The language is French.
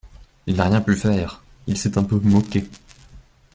Il n'a rien pu faire, il s'est un peu moqué.